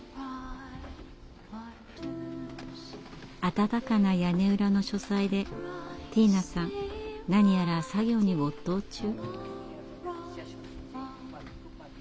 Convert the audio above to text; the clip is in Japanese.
暖かな屋根裏の書斎でティーナさん何やら作業に没頭中。